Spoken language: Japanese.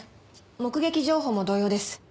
目撃情報も同様です。